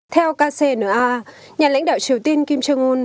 theo kcna nhà lãnh đạo triều tiên kim jong un